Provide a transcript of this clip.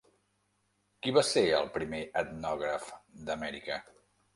Qui va ser el primer etnògraf d'Amèrica?